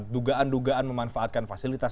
dugaan dugaan memanfaatkan fasilitas